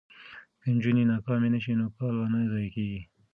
که نجونې ناکامې نه شي نو کال به نه ضایع کیږي.